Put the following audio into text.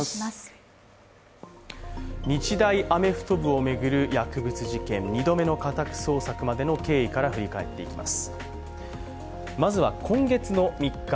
日大アメフト部を巡る薬物事件、２度目の家宅捜索までの経緯から振り返っていきます。